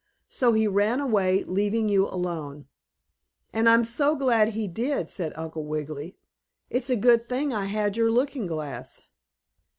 So he ran away, leaving you alone." "And I'm so glad he did," said Uncle Wiggily. "It's a good thing I had your looking glass."